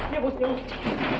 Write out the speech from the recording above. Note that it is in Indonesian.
iya bos jauh